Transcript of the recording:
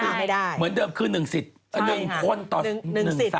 เหมือนเดิมคือ๑สิทธิ์๑คนต่อ๑สิทธิ์